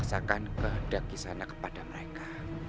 mereka memaksakan kehendak kisah anak kepada mereka